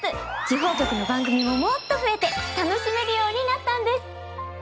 地方局の番組ももっと増えて楽しめるようになったんです。